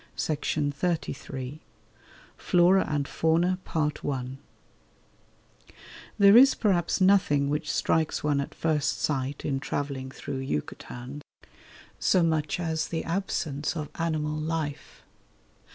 CHAPTER XXII FLORA AND FAUNA There is perhaps nothing which strikes one at first sight in travelling through Yucatan so much as the absence of animal life.